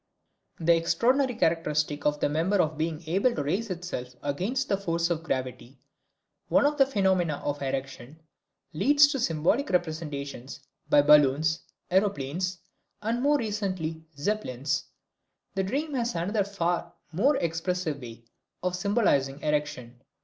The extraordinary characteristic of the member of being able to raise itself against the force of gravity, one of the phenomena of erection, leads to symbolic representations by balloons, aeroplanes, and more recently, Zeppelins. The dream has another far more expressive way of symbolizing erection.